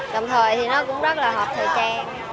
đồng thời thì nó cũng rất là hợp thời trang